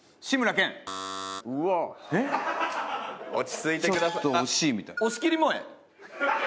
落ち着いてください。